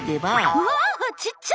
うわちっちゃ！